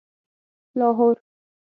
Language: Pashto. لاهور